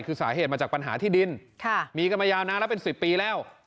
คือสาเหตุมาจากปัญหาที่ดินมีกันมายาวนานแล้วเป็น๑๐ปีแล้ว